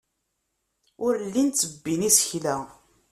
Ur llin ttebbin isekla.